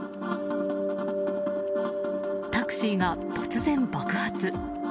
タクシーが突然、爆発。